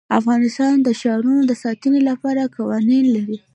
افغانستان د ښارونه د ساتنې لپاره قوانین لري.